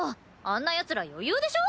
あんな奴ら余裕でしょ？